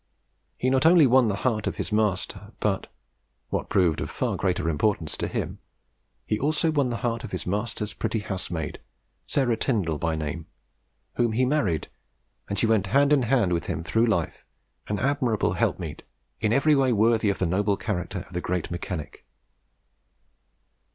He not only won the heart of his master, but what proved of far greater importance to him he also won the heart of his master's pretty housemaid, Sarah Tindel by name, whom he married, and she went hand in hand with him through life, an admirable "help meet," in every way worthy of the noble character of the great mechanic.